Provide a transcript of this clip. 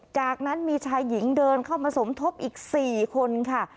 จากนั้นมีชายหญิงเดินเข้ามาสมทบอีก๔คนค่ะ